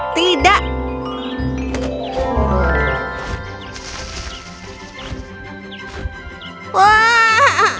ayo ada seseorang yang ingin kutemui